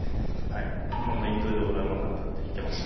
日本の一風堂がうまかったって言ってました。